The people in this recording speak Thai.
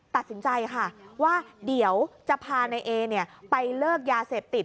ตัดสินใจค่ะว่าเดี๋ยวจะพานายเอไปเลิกยาเสพติด